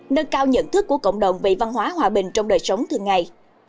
nâng cao nhận thức của cộng đồng về văn hóa hòa bình trong đời sống thường ngày